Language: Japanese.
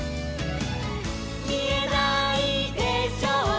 「みえないでしょう